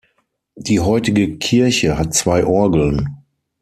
Die heutige Kirche hat zwei Orgeln.